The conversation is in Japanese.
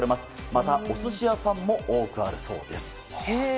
またお寿司屋さんも多くあるそうです。